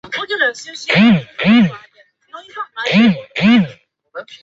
陵墓位于庆州市拜洞。